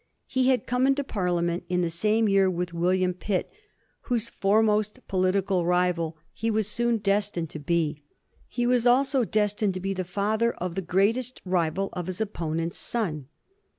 He had come into Parliament in the same year with William Pitt, whose foremost political rival he was soon destined 1787. A ROYAL LIAR. 79 to be. He was also destined to be the father of the great est rival of his opponent's son.